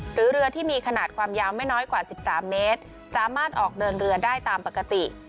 หรือเรือที่มีขนาดความยาวไม่น้อยกว่า๑๓เมตรสามารถออกเดินเรือได้ตามปกติ